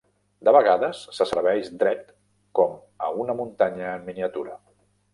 De vegades, se serveix dret com a una muntanya en miniatura.